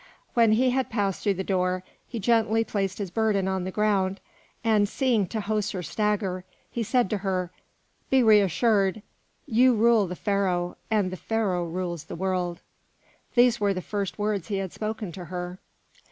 When he had passed through the door, he gently placed his burden on the ground, and seeing Tahoser stagger, he said to her: "Be reassured. You rule the Pharaoh, and the Pharaoh rules the world." These were the first words he had spoken to her.